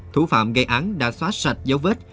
thủ phạm gây án đã xóa sạch dấu vết